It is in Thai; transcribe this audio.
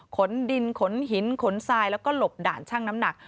ขนดินขนหินขนทรายแล้วก็หลบด่านช่างน้ำหนัก